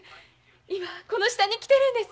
今この下に来てるんです。